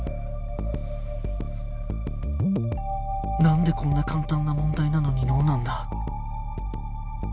なんでこんな簡単な問題なのに ＮＯ なんだ？